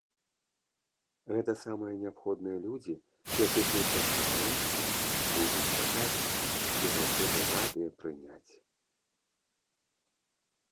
Гэта самыя неабходныя людзі, якіх мы чакаем, будзем чакаць і заўсёды радыя прыняць!